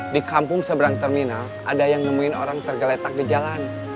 di kampung seberang terminal ada yang nemuin orang tergeletak di jalan